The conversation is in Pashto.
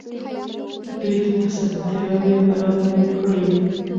دوی ته اسانتیاوې برابرې کړئ.